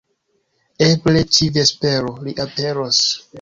Eble ĉi-vespero li aperos